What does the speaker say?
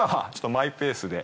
マイペースで。